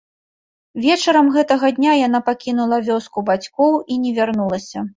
Вечарам гэтага дня яна пакінула вёску бацькоў і не вярнулася.